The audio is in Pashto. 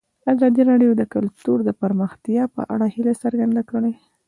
ازادي راډیو د کلتور د پرمختګ په اړه هیله څرګنده کړې.